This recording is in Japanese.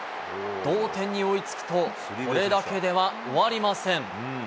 同点に追いつくと、これだけでは終わりません。